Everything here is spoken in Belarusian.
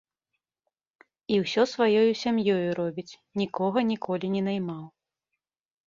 І ўсё сваёю сям'ёю робіць, нікога ніколі не наймаў.